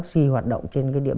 khoảng một tiếng ấy